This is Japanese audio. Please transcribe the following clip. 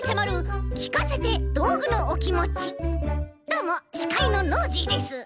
どうもしかいのノージーです。